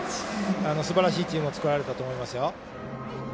すばらしいチームを作られたと思いますよ。